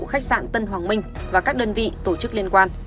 khách sạn tân hoàng minh và các đơn vị tổ chức liên quan